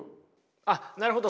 あっなるほど。